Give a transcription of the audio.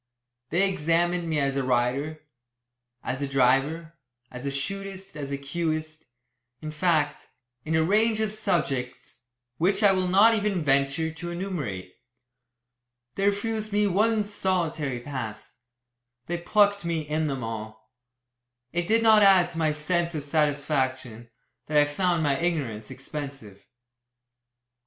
They examined me as a rider, as a driver, as a shootist, as a cueist, in fact, in a range of subjects which I will not even venture to enumerate. They refused me one solitary "pass." They "plucked" me in them all. It did not add to my sense of satisfaction, that I found my ignorance expensive.